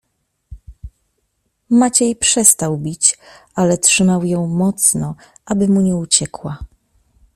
"Maciej przestał bić, ale trzymał ją mocno, aby mu nie uciekła."